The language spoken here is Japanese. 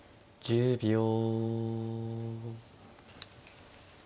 １０秒。